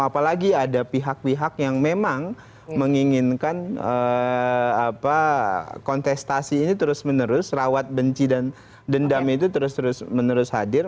apalagi ada pihak pihak yang memang menginginkan kontestasi ini terus menerus rawat benci dan dendam itu terus terus menerus hadir